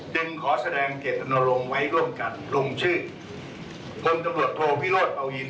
จึงขอแสดงเกตนโลงไว้ร่วมกันลงชื่อคนตำรวจโทษวิโรธเป่าอิน